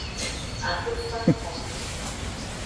Ahoefa xo.